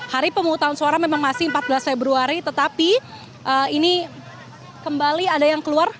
hari pemutusan suara memang masih empat belas februari tetapi ini kembali ada yang keluar